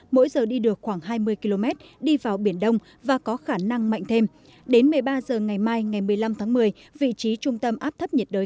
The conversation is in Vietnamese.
mỗi giờ đi được khoảng hai mươi km đi vào biển đông và có khả năng mạnh thêm đến một mươi ba h ngày mai ngày một mươi năm tháng một mươi vị trí trung tâm áp thấp nhiệt đới